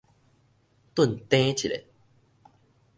頓蹬一下